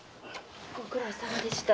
ご苦労さまでした。